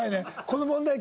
この問題